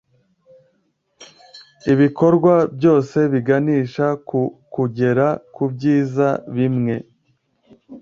ibikorwa byose biganisha ku kugera ku byiza bimwe